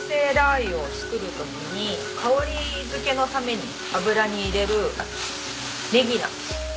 辣油を作る時に香り付けのために油に入れるネギなんです。